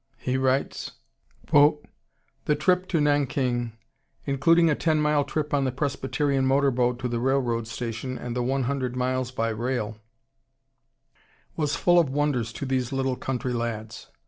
He writes: "The trip to Nanking, including a ten mile trip on the Presbyterian motor boat to the railroad station and the one hundred miles by rail, was full of wonders to these little country lads.